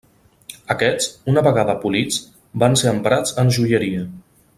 Aquests, una vegada polits, van ser emprats en joieria.